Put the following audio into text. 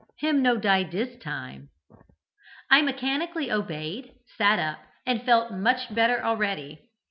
Him no die dis time.' I mechanically obeyed, sat up, and felt much better already.